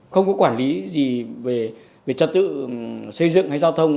không có quản lý gì về trật tự xây dựng hay giao thông